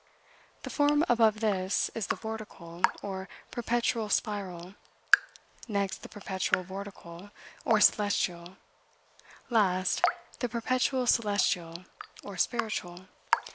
The form above this is the vortical, or perpetual spiral; next, the perpetual vortical, or celestial; last, the perpetual celestial, or spiritual."